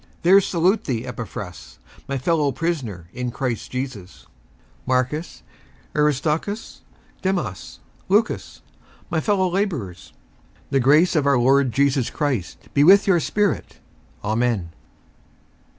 57:001:023 There salute thee Epaphras, my fellowprisoner in Christ Jesus; 57:001:024 Marcus, Aristarchus, Demas, Lucas, my fellowlabourers. 57:001:025 The grace of our Lord Jesus Christ be with your spirit. Amen.